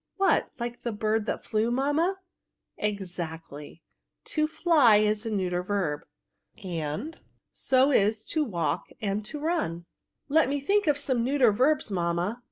" What, like the bird that flew, mamma? " Exactly ; to fly is a neuter verb> and so i& to walk, and to run'^ 60 VERBS. ^' Let me think of some neuter verbs^ mamma.